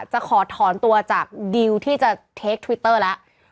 จะขอถอนตัวจากดิวที่จะเทคทวิตเตอร์แล้ว